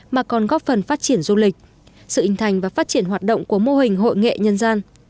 mà còn góp phần phát triển du lịch sự hình thành và phát triển hoạt động của mô hình hội nghệ nhân gian